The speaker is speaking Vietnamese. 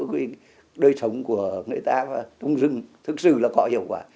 cái đôi sống của người ta trong rừng thực sự là có hiệu quả